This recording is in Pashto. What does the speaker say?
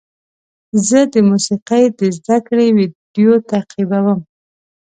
زه د موسیقۍ د زده کړې ویډیو تعقیبوم.